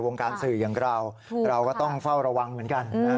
การสื่ออย่างเราเราก็ต้องเฝ้าระวังเหมือนกัน